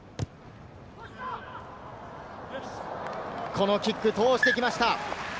このキック、通してきました！